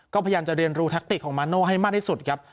ก็พยายามจะเรียนรู้แทคติกของมาโน่ให้มากที่สุดครับ